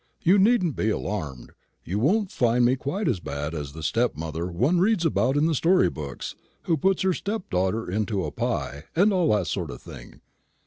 You needn't be alarmed; you won't find me quite as bad as the stepmother one reads about in the story books, who puts her stepdaughter into a pie, and all that kind of thing.